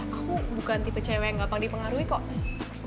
kamu bukan tipe cewek yang gampang dipengaruhi kok